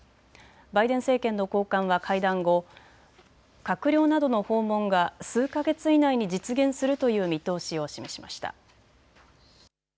バイデン政権の高官は会談後、閣僚などの訪問が数か月以内に実現するという見通しを示しました。